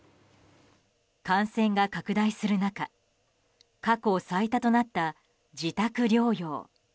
感染が拡大する中過去最多となった自宅療養。